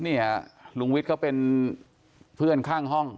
นี่ฮะลุงวิทย์เขาเป็นเพื่อนข้างห้อง